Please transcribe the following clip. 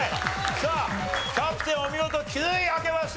さあキャプテンお見事９位開けました！